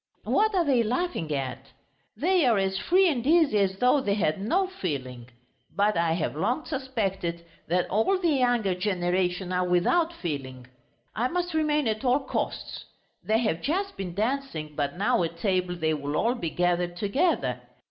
"What are they laughing at? They are as free and easy as though they had no feeling.... But I have long suspected that all the younger generation are without feeling! I must remain at all costs! They have just been dancing, but now at table they will all be gathered together....